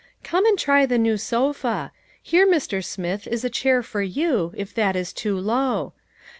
" Come and try the new sofa. Here, Mr. Smith, is a chair for you, if that is too low.